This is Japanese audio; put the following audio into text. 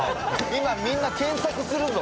今みんな検索するぞ